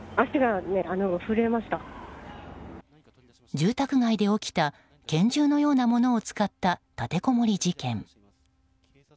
住宅街で起きた拳銃のようなものを使った立てこもり事件。